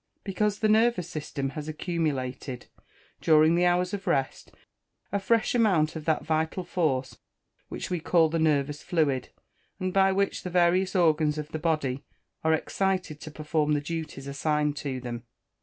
_ Because the nervous system has accumulated, during the hours of rest, a fresh amount of that vital force which we call the nervous fluid, and by which the various organs of the body are excited to perform the duties assigned to them.